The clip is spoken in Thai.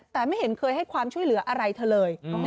แต่ไม่เห็นเคยให้ความช่วยเหลืออะไรเธอเลย